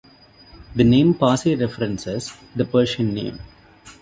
The name Parsi references the Persian name.